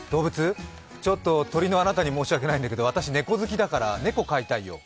ちょっと鳥のあなたに申し訳ないんだけど、私猫好きだから猫飼いたいよ。